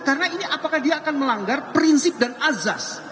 karena ini apakah dia akan melanggar prinsip dan azas